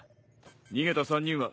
逃げた３人は？